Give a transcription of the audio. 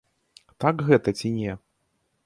Так гэта ці не?